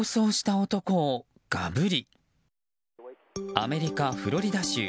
アメリカ・フロリダ州。